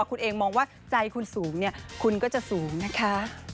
คุณยังมีความรักได้คุณต้องเข้มแข็งและทำให้เหมาะสมแค่นั้นเอง